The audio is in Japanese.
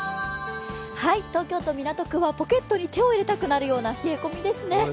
東京都港区はポケットに手を入れたくなるような冷え込みですね。